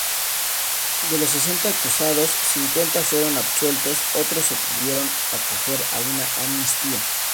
De los sesenta acusados, cincuenta fueron absueltos, otros se pudieron acoger a una amnistía.